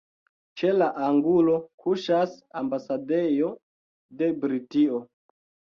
Ĉe la angulo kuŝas ambasadejo de Britio.